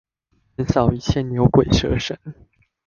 橫掃一切牛鬼蛇神